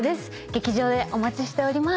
劇場でお待ちしております。